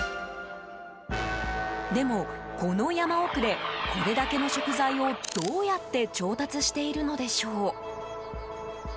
でも、この山奥でこれだけの食材をどうやって調達しているのでしょう。